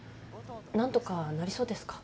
何とかなりそうですか？